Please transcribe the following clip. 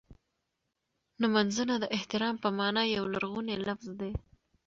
نمځنه د احترام په مانا یو لرغونی لفظ دی.